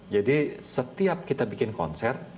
jadi setiap kita bikin konser